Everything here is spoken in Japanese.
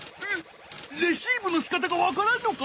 レシーブのしかたがわからんのか？